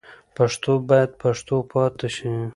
پښتو باید پښتو پاتې شي.